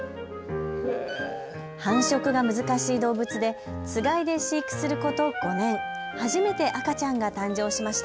繁殖が難しい動物でつがいで飼育すること５年、初めて赤ちゃんが誕生しました。